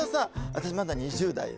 私まだ２０代よ